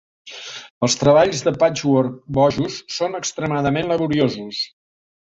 Els treballs de patchwork bojos són extremadament laboriosos.